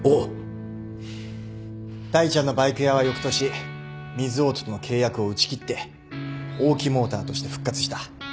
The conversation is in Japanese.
大ちゃんのバイク屋は翌年ミズオートとの契約を打ち切って大木モーターとして復活した。